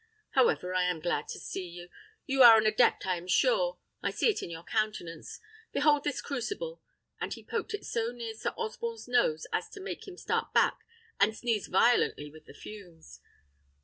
However, I am glad to see you. You are an adept, I am sure; I see it in your countenance. Behold this crucible," and he poked it so near Sir Osborne's nose as to make him start back and sneeze violently with the fumes.